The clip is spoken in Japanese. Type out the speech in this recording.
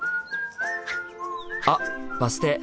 あバス停。